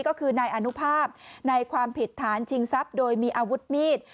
ก็คือนายอนุภาพในความผิดฐานชิงทรัพย์โดยมีอาวุธมีด